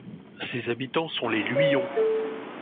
Ses habitants sont les Luyons.